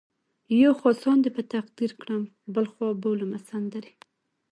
یو خوا ساندې په تقدیر کړم بل خوا بولمه سندرې